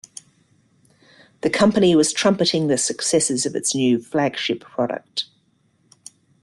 The company was trumpeting the successes of its new flagship product.